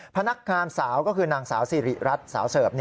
พนักงานสาวก็คือนางสาวสิริรัตน์สาวเสิร์ฟ